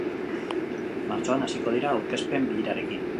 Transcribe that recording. Martxoan hasiko dira aurkezpen birarekin.